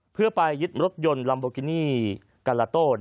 เพื่อไปยึดรถยนต์ลัมโบกินี่กาลาโต้